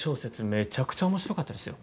めちゃくちゃ面白かったですよ。